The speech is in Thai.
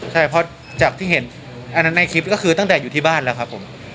จากที่เห็นคลิปตั้งนอยู่ที่บ้านแล้วครับผม